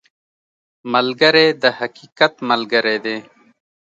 ملګری د حقیقت ملګری دی